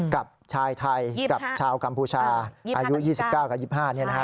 กับชายไทยกับชาวกัมพูชาอายุ๒๙กับ๒๕